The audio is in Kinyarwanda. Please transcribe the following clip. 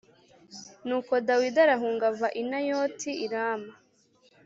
Nuko Dawidi arahunga ava i Nayoti i Rama